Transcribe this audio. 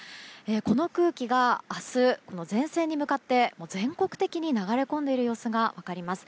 この空気が明日、前線に向かって全国的に流れ込んでいる様子が分かります。